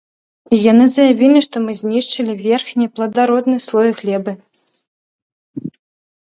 І яны заявілі, што мы знішчылі верхні пладародны слой глебы.